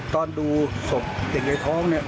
ตอนดูศพเด็กในท้องเนี่ย